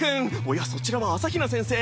おやそちらは朝日奈先生！